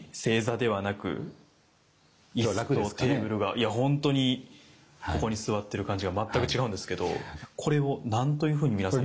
いや本当にここに座ってる感じが全く違うんですけどこれを何というふうに皆さん。